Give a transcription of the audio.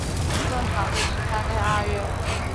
宋朝第十三代二月廿二戊辰出生。